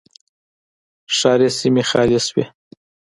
ښاري سیمې خالي شوې.